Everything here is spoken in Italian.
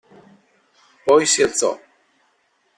Poi si alzò.